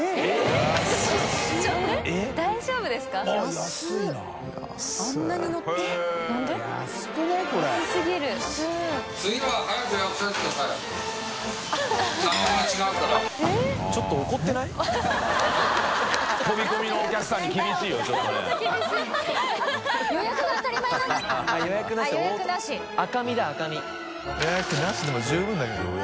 えっこれなしでも十分だけど。